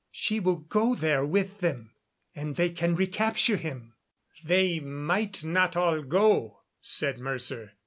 She will go there with them, and they can recapture him." "They might not all go," said Mercer.